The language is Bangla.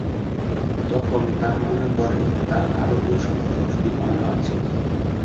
তখন তাঁর মনে পড়ে, তাঁর আরও দুই সপ্তাহ ছুটি পাওনা আছে।